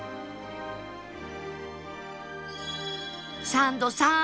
サンドさん